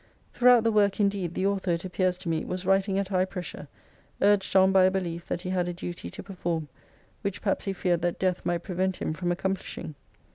Throughout the work indeed the author, it appears to me, was writing at high pressure, urged on by a belief that he had a duty to perform, which perhaps he feared that death might prevent him from accomplishing.